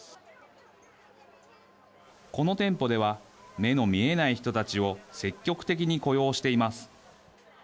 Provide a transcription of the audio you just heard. この店舗では目の見えない人たちを積極的に雇用しています。